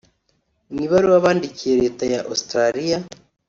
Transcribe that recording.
Mu ibaruwa bandikiye Leta ya Australia